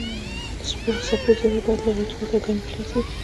د سبو زېرمه باید له رطوبت او ګرمۍ خلاصه وي.